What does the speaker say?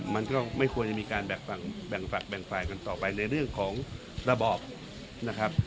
มันก็ไม่ควรจะมีการแบ่งฝักแบ่งฝ่ายกันต่อไปในเรื่องของระบอบนะครับ